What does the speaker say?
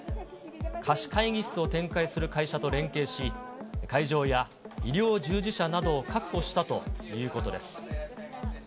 貸会議室を展開する会社と連携し、会場や医療従事者などを確保したということです。